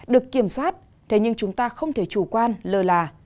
được kiểm soát thế nhưng chúng ta không thể chủ quan lờ là